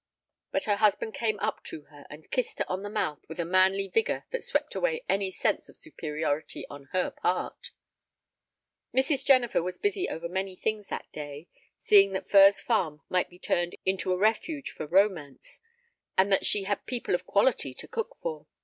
But her husband came up to her and kissed her on the mouth with a manly vigor that swept away any sense of superiority on her part. Mrs. Jennifer was busy over many things that day, seeing that Furze Farm might be turned into a refuge for romance, and that she had people of quality to cook for.